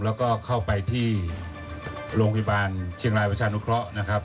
แล้วก็เข้าไปที่โรงพยาบาลเชียงรายประชานุเคราะห์นะครับ